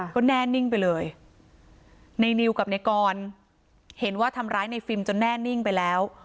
ก็แน่นิ่งไปเลยในนิวกับในกรเห็นว่าทำร้ายในฟิล์มจนแน่นิ่งไปแล้ว